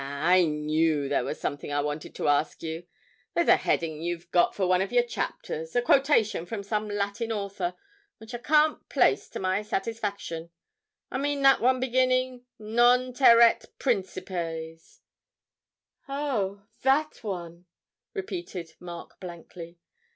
Ah, I knew there was something I wanted to ask you. There's a heading you've got for one of your chapters, a quotation from some Latin author, which I can't place to my satisfaction; I mean that one beginning "Non terret principes."' 'Oh, that one?' repeated Mark blankly.